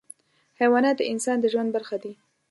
حیوانات د انسان د ژوند برخه دي.